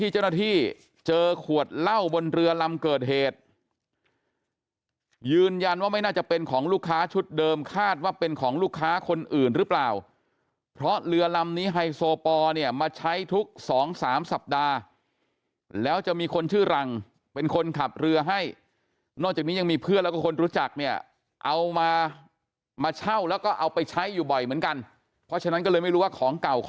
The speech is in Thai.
เจ้าหน้าที่เจอขวดเหล้าบนเรือลำเกิดเหตุยืนยันว่าไม่น่าจะเป็นของลูกค้าชุดเดิมคาดว่าเป็นของลูกค้าคนอื่นหรือเปล่าเพราะเรือลำนี้ไฮโซปอลเนี่ยมาใช้ทุก๒๓สัปดาห์แล้วจะมีคนชื่อรังเป็นคนขับเรือให้นอกจากนี้ยังมีเพื่อนแล้วก็คนรู้จักเนี่ยเอามามาเช่าแล้วก็เอาไปใช้อยู่บ่อยเหมือนกันเพราะฉะนั้นก็เลยไม่รู้ว่าของเก่าค